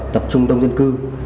tập trung đông dân cư